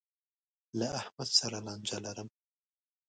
له احمد سره لانجه لرم.